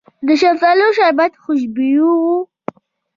د شفتالو شربت خوشبويه وي.